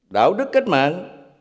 đạo đức cách mạng